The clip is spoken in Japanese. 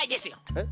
えっ？